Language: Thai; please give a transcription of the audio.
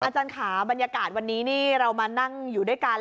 อาจารย์ค่ะบรรยากาศวันนี้นี่เรามานั่งอยู่ด้วยกัน